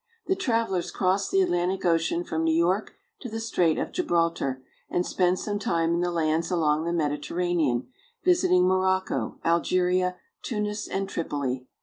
The travelers cross the Atlantic Ocean from New York to the Strait of Gibraltar, and spend some time in the lands along the Mediterranean, visiting Morocco, Algeria, Tunis, and Tripoli.